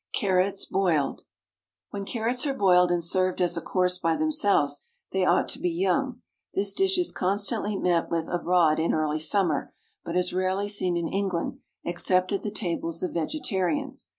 CARROTS, BOILED. When carrots are boiled and served as a course by themselves, they ought to be young. This dish is constantly met with abroad in early summer, but is rarely seen in England, except at the tables of vegetarians.